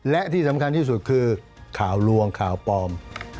และที่สำคัญที่สุดคือข่าวลวงข่าวปลอม